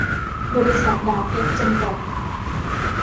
บริษัท ดาบเพ็ชร์ จำกัด